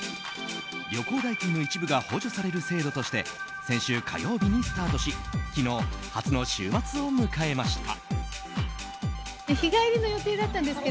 旅行代金の一部が補助される制度として先週火曜日にスタートし昨日、初の週末を迎えました。